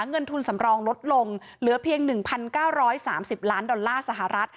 เงินทุนสำรองลดลงเหลือเพียง๑๙๓๐ล้านดอลลาร์สหรัฐ